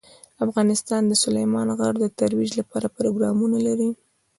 افغانستان د سلیمان غر د ترویج لپاره پروګرامونه لري.